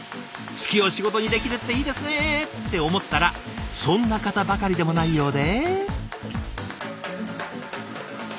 好きを仕事にできるっていいですね！って思ったらそんな方ばかりでもないようで。